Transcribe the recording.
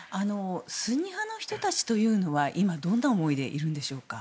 スンニ派の人たちは今、どんな思いでいるんでしょうか。